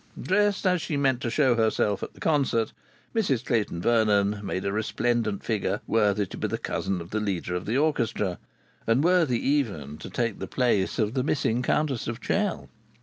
Dressed as she meant to show herself at the concert, Mrs Clayton Vernon made a resplendent figure worthy to be the cousin of the leader of the orchestra and worthy even to take the place of the missing Countess of Chell.